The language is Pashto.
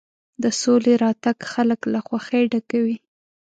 د سولې راتګ خلک له خوښۍ ډکوي.